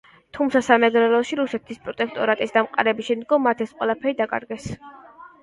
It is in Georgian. თუმცა სამეგრელოში რუსეთის პროტექტორატის დამყარების შემდგომ მათ ეს ყველაფერი დაკარგეს.